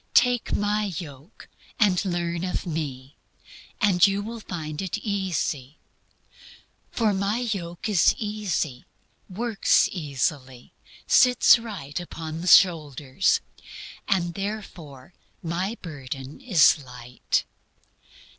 Take My yoke and learn of Me, and you will find it easy. For My yoke is easy, works easily, sits right upon the shoulders, and therefore My burden is light."